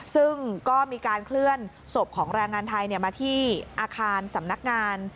ซึ่งก็มีการเคลื่อนศพของแรงงานไทยมาที่อาคารสำนักงาน